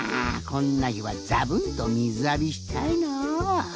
こんなひはざぶんとみずあびしたいなあ。